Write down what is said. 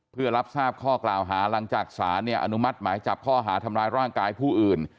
เพื่อรับทราบข้อกล่าวหาหลังจากสารเนี่ยอนุมัติหมายจับข้อหาทำร้ายร่างกายผู้อื่น